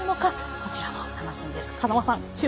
こちらも楽しみです。